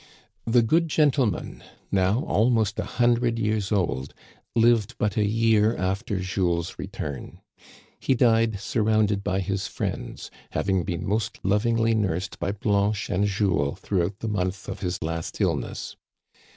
The good gentleman," now almost a hundred years old, lived but a year after Jules's return. He died sur rounded by his friends, having been most lovingly nursed by Blanche and Jules throughout the month of his last illness.